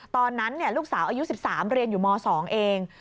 ตอนนั้นลูกสาวอายุ๑๓เรียนอยู่ม๒เอง